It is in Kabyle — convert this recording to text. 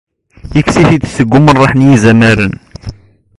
Ikkes-it-id seg umraḥ n yizamaren.